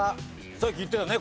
さっき言ってたね